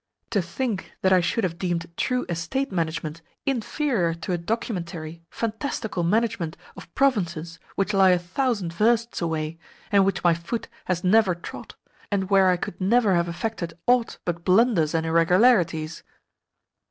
To think that I should have deemed true estate management inferior to a documentary, fantastical management of provinces which lie a thousand versts away, and which my foot has never trod, and where I could never have effected aught but blunders and irregularities!"